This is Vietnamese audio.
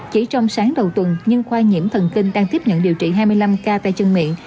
chỉ trong sáng đầu tuần nhưng khoa nhiễm thần kinh đang tiếp nhận điều trị hai mươi năm ca tay chân miệng